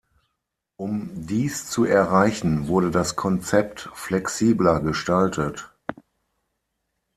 Um dies zu erreichen, wurde das Konzept flexibler gestaltet.